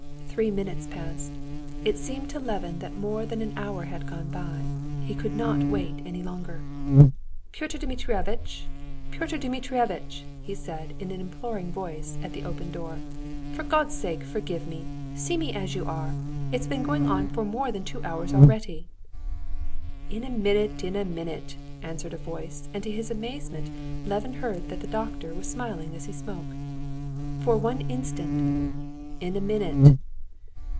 Three minutes passed; it seemed to Levin that more than an hour had gone by. He could not wait any longer. "Pyotr Dmitrievitch, Pyotr Dmitrievitch!" he said in an imploring voice at the open door. "For God's sake, forgive me! See me as you are. It's been going on more than two hours already." "In a minute; in a minute!" answered a voice, and to his amazement Levin heard that the doctor was smiling as he spoke. "For one instant." "In a minute."